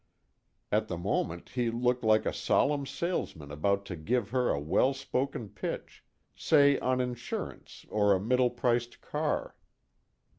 At the moment he looked like a solemn salesman about to give her a well spoken pitch, say on insurance or a middle priced car.